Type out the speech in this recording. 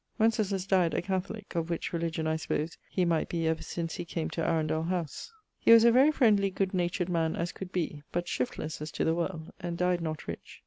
Winceslaus dyed a Catholique, of which religion, I suppose, he might be ever since he came to Arundel howse. He was a very friendly good natured man as could be, but shiftlesse as to the world, and dyed not rich.